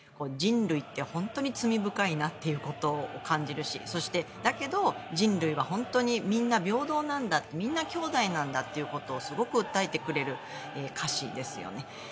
人類って本当に罪深いということを感じるしそして、だけど人類は本当にみんな平等なんだ兄弟なんだということをすごく訴えてくれる歌詞ですよね。